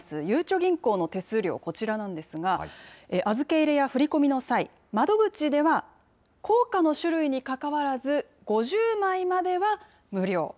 ゆうちょ銀行の手数料、こちらなんですが、預け入れや振り込みの際、窓口では硬貨の種類にかかわらず、５０枚までは無料。